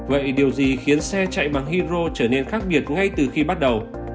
vậy điều gì khiến xe chạy bằng hydro trở nên khác biệt ngay từ khi bắt đầu